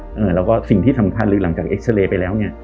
อะไรก็สิ่งที่ค่ะหลังจากเอ็กซะเลไปแล้ว